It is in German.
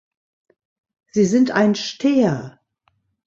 Sie sind ein "Steher" .